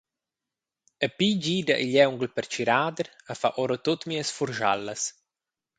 Epi gida igl aunghel pertgirader a far ora tut mias furschalas.